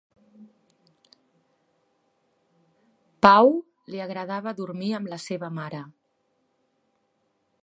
Pau li agradava dormir amb la seva mare.